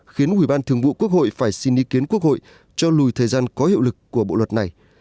khiến ủy ban thường vụ quốc hội phải xin ý kiến quốc hội cho lùi thời gian có hiệu lực của bộ luật này